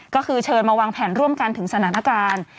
ก็คือเชิญมาวางแผนร่วมกันถึงสถานการณ์